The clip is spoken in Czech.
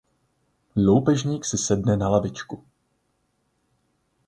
Loupežník si sedne na lavičku.